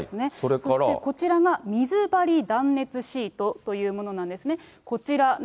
そしてこちらが、水貼り断熱シートというものなんですね。